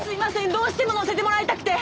どうしても乗せてもらいたくて。